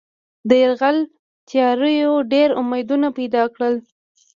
د یرغل تیاریو ډېر امیدونه پیدا کړل.